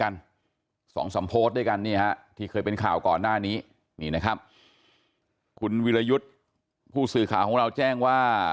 นี่นะครับคุณวิรยุทธ์ผู้สื่อข่าวของเราแจ้งว่า